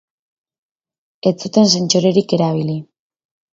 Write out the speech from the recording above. Ez zuten sentsorerik erabili.